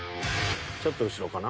ちょっと後ろかな？